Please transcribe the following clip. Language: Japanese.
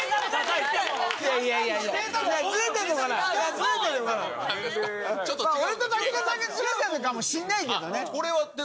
俺と武田さんがずれてるのかもしれないけどね。